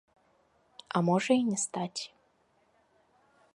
А можа і не стаць.